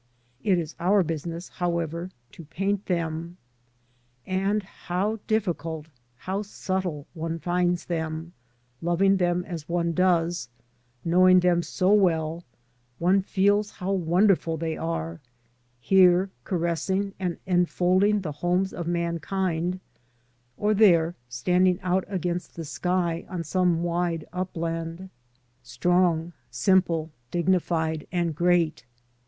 It is our business, however, to paint them, and how difficult, how subtle one finds them ; loving them as one does, knowing them so well, one feels how wonderful they are, here caressing and enfolding the homes of mankind, or there standing out against the sky on some wide upland, strongs 51 52 LANDSCAPE PAINTING IN OIL COLOUR. simple, dignified, and great.